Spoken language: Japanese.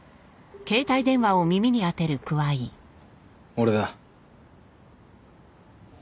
俺だ。